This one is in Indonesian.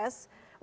untuk bisa bertahan